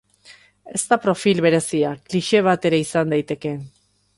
Ez da profil berezia, klixe bat ere izan daiteke.